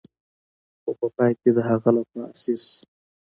خو په پای کې د هغه لخوا اسیر شو.